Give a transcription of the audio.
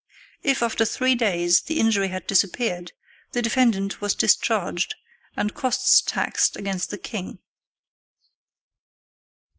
If after three days the injury had disappeared, the defendant was discharged and costs taxed against the king.